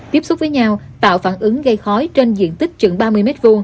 tiếp xúc với nhau tạo phản ứng gây khói trên diện tích chừng ba mươi m hai